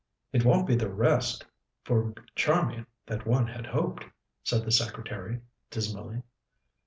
"It won't be the rest for Charmian that one had hoped,'' said the secretary dismally.